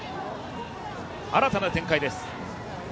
新たな展開です。